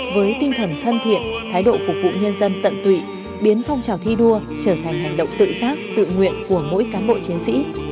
với tinh thần thân thiện thái độ phục vụ nhân dân tận tụy biến phong trào thi đua trở thành hành động tự giác tự nguyện của mỗi cán bộ chiến sĩ